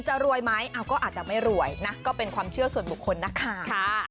จะรวยไหมก็อาจจะไม่รวยนะก็เป็นความเชื่อส่วนบุคคลนะคะ